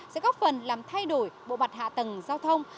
sẽ góp phần làm thay đổi bộ mặt hạ tầng giao thông